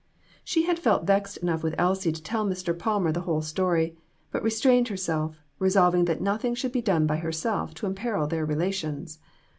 She had felt vexed enough with Elsie to tell Mr. Palmer the whole story, but restrained her self, resolving that nothing should be done by herself to imperil their relations.